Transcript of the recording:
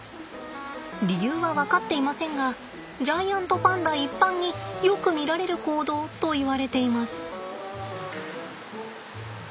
理由は分かっていませんがジャイアントパンダ一般によく見られる行動といわれています。